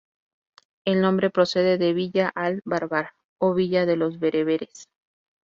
El nombre procede de Villa al-barbar o Villa de los bereberes.